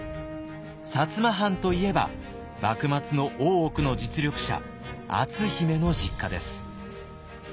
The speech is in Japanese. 薩摩藩といえば幕末の大奥の実力者篤姫の実家です。